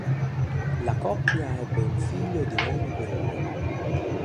La coppia ebbe un figlio di nome Bruno.